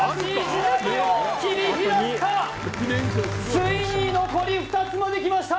ついに残り２つまできました